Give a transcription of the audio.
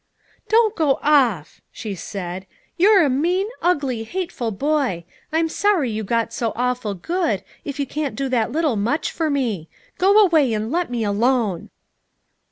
"Do go off!" she said. "You're a mean, ugly, hateful boy! I'm sorry you got so awful good, if you can't do that little much for me. Go away and let me alone."